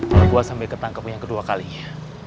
kalo gua sampe ketangkep yang kedua kalinya